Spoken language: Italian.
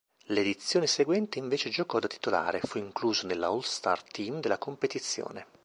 L'edizione seguente invece giocò da titolare fu incluso nell'All-Star team della competizione.